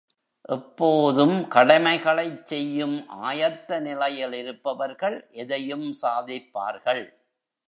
எப்போதும் கடமைகளைச் செய்யும் ஆயத்த நிலையில் இருப்பவர்கள் எதையும் சாதிப்பார்கள்.